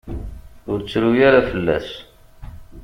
Ur ttru ara fell-as.